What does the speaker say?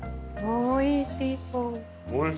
おいしそう。